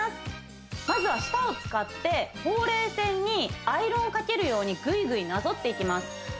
まずは舌を使ってほうれい線にアイロンをかけるようにグイグイなぞっていきます